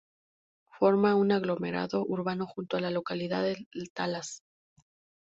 Forma un aglomerado urbano junto a la localidad de Las Talas.